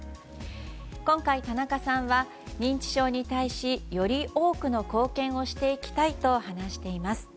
今回、田中さんは認知症に対しより多くの貢献をしていきたいと話しています。